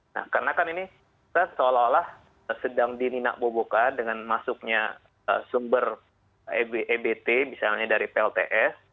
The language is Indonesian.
nah karena kan ini kita seolah olah sedang dininak bobokan dengan masuknya sumber ebt misalnya dari plts